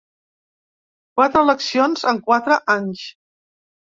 Quatre eleccions en quatre anys.